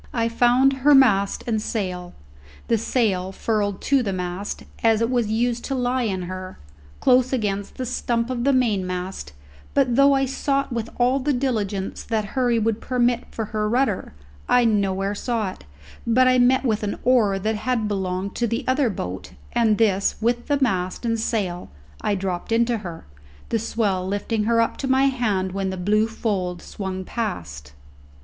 I found her mast and sail the sail furled to the mast, as it was used to lie in her close against the stump of the mainmast; but though I sought with all the diligence that hurry would permit for her rudder, I nowhere saw it, but I met with an oar that had belonged to the other boat, and this with the mast and sail I dropped into her, the swell lifting her up to my hand when the blue fold swung past.